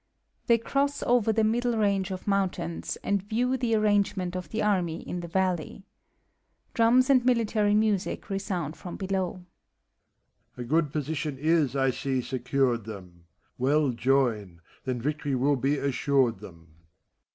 [They cross over the middle range of mountains, and view the arrangement of the army in the valley. Drums and military music resound from helowJ] MEPHISTOPHELES. A good position is, I see, secured them ; Well join, then victory will be assured them.